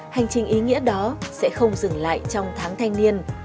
hành trình ý nghĩa đó sẽ không dừng lại trong tháng thanh niên